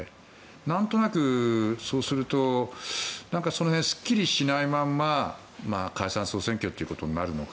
なんとなく、そうするとその辺がすっきりしないまま解散・総選挙ということになるのか。